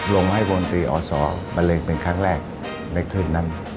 ลงมาให้วงอสมาเล่นเป็นครั้งแรกในคืนนั้น